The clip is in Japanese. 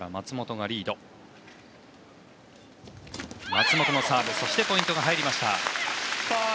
松本のサーブポイントが入りました。